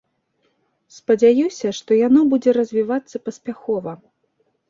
Спадзяюся, што яно будзе развівацца паспяхова.